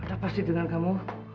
apa sih dengan kamu